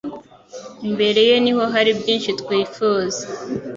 imbere ye niho hari byinshi twifuza